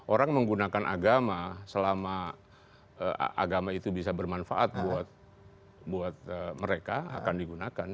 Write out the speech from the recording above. orang menggunakan agama selama agama itu bisa bermanfaat buat mereka akan digunakan